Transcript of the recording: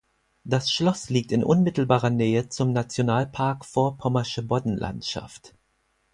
Das Schloss liegt in unmittelbarer Nähe zum Nationalpark Vorpommersche Boddenlandschaft.